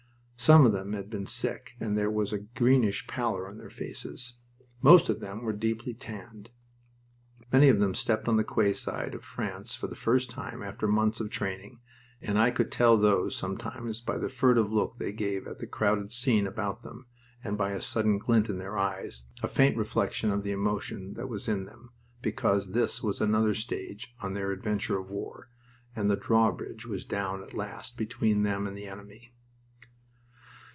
Some of them had been sick and there was a greenish pallor on their faces. Most of them were deeply tanned. Many of them stepped on the quayside of France for the first time after months of training, and I could tell those, sometimes, by the furtive look they gave at the crowded scene about them, and by a sudden glint in their eyes, a faint reflection of the emotion that was in them, because this was another stage on their adventure of war, and the drawbridge was down at last between them and the enemy.